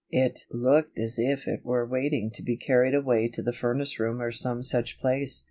It looked as if it were waiting to be carried away to the furnace room or some such place.